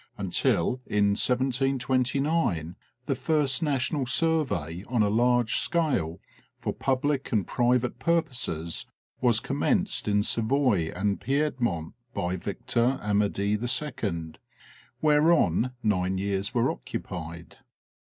until in 1729 the first national survey on a large scale, for public and private purposes, was commenced in Savoy and Piedmont by Victor Amadie II., whereon nine years were occupied.